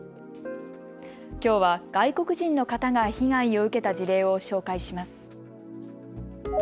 きょうは外国人の方が被害を受けた事例を紹介します。